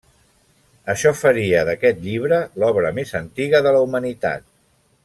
Això faria d'aquest llibre l'obra més antiga de la Humanitat.